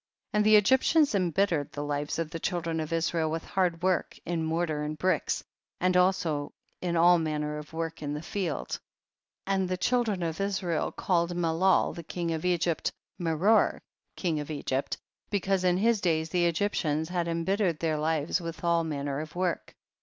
36. And the Egyptians embittered the lives of the children of Israel with hard work, in mortar and bricks, and also in all manner of work in the field. 37. And the children of Israel called Melol the king of Egypt " Meror,* king of Egypt," because in his days the Egyptians had em bittered their lives with all manner of work.